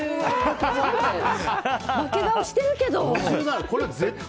負け顔してるけど。